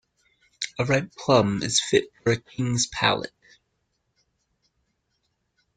A ripe plum is fit for a king's palate.